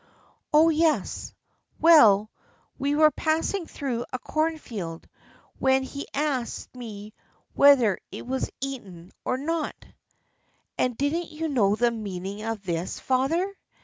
"Oh, yes. Well, we were passing through a corn field, when he asked me whether it was eaten or not." "And didn't you know the meaning of this, father?